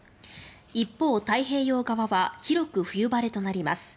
一方、太平洋側は広く冬晴れとなります。